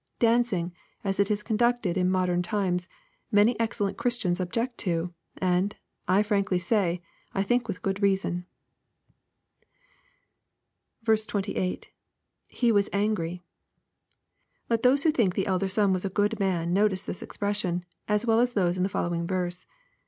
Dancing, as it is conducted in mod ern times, many excellent Christians object to, and, I frankly say, I think with good reason. 28. — [J3e was angry.] Let those who think the elder son was a goou man notice this expression, as well as those in the following verse.